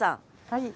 はい。